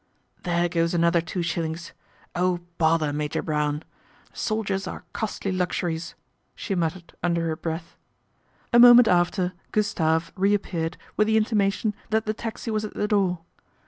' There goes another two shillings. Oh, bother Major Brown ! Soldiers are costly luxuries," she muttered under her breath. A moment after Gustave reappeared with the intimation that the taxi was at the door.